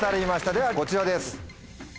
ではこちらです。